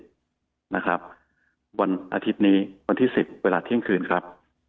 นะครับวันอาทิตย์นี้วันที่๑๐เวลาเที่ยงคืนครับ